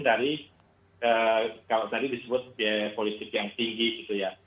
dari kalau tadi disebut biaya politik yang tinggi gitu ya